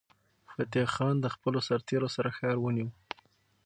فتح خان د خپلو سرتیرو سره ښار ونیو.